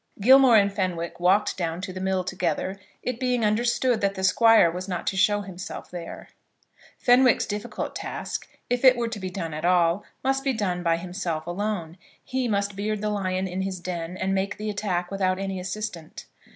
Gilmore and Fenwick walked down to the mill together, it being understood that the Squire was not to show himself there. Fenwick's difficult task, if it were to be done at all, must be done by himself alone. He must beard the lion in his den, and make the attack without any assistant.